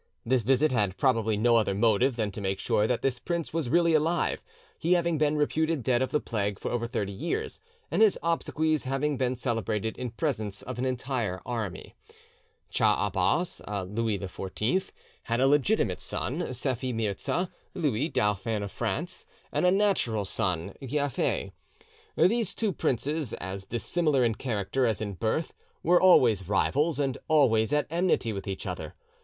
This visit had probably no other motive than to make sure that this prince was really alive, he having been reputed dead of the plague for over thirty years, and his obsequies having been celebrated in presence of an entire army. "Cha Abas (Louis XIV) had a legitimate son, Sephi Mirza (Louis, Dauphin of France), and a natural son, Giafer. These two princes, as dissimilar in character as in birth, were always rivals and always at enmity with each other.